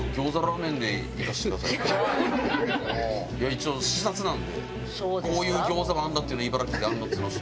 一応視察なんでこういう餃子もあるんだって茨城であるんだっていうのを。